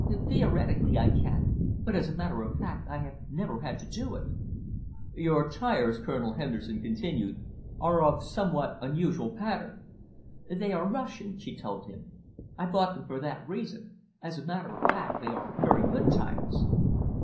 "Theoretically I can, but as a matter of fact I have never had to do it.'" "Your tyres," Colonel Henderson continued, "are of somewhat unusual pattern." "They are Russian," she told him. "I bought them for that reason. As a matter of fact, they are very good tyres."